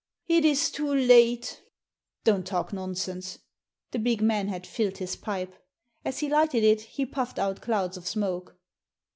« It is too late." * Don't talk nonsense." The big man had filled his pipe. As he lighted it he puffed out clouds of smoke.